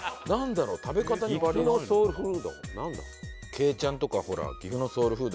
けいちゃんとかほら岐阜のソウルフード。